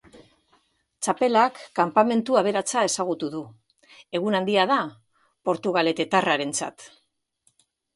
Txapelak kanpamentu aberatsa ezagutu du, egun handia da portugaletetarrarentzat.